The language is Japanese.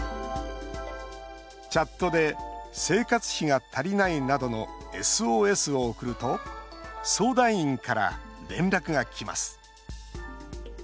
チャットで「生活費が足りない」などのＳＯＳを送ると相談員から連絡がきます。